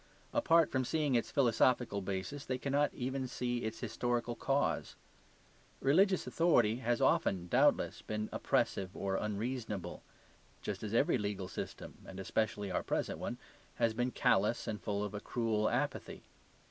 Apart from seeing its philosophical basis, they cannot even see its historical cause. Religious authority has often, doubtless, been oppressive or unreasonable; just as every legal system (and especially our present one) has been callous and full of a cruel apathy.